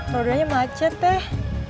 rodanya macet deh